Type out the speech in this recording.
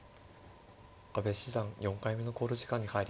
阿部七段４回目の考慮時間に入りました。